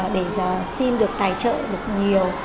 để xin được tài trợ được nhiều